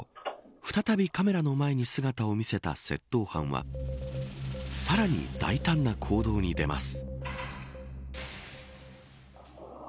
再びカメラの前に姿を見せた窃盗犯はさらに大胆な行動に出ます。